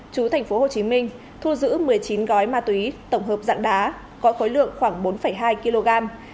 chú tp hcm thu giữ một mươi chín gói ma túy tổng hợp dạng đá có khối lượng khoảng bốn hai kg